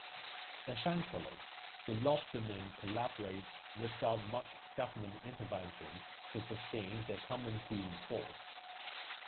Essentially, the lobstermen collaborate without much government intervention to sustain their common-pool resource.